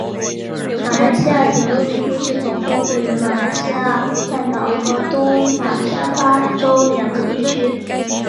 马来西亚铁路运输系统分布于马来西亚半岛和东马沙巴州两个地区。